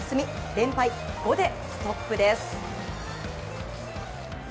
連敗５でストップです。